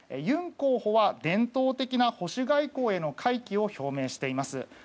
ユン候補は伝統的な保守外交への回帰を表明しています。